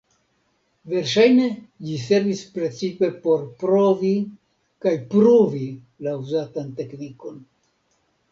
Verŝajne ĝi servis precipe por provi kaj pruvi la uzatan teknikon.